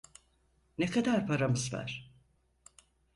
Ne kadar paramız var?